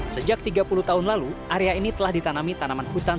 sejak tiga puluh tahun lalu area ini telah ditanami tanaman hutan